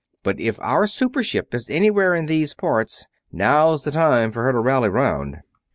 But if our super ship is anywhere in these parts, now's the time for her to rally 'round!"